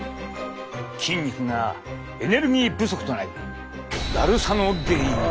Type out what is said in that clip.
筋肉がエネルギー不足となりだるさの原因に！